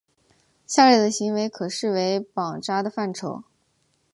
下列的行为可视为绑扎的范畴。